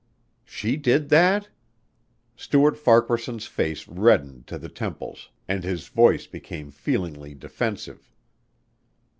"She did that?" Stuart Farquaharson's face reddened to the temples and his voice became feelingly defensive.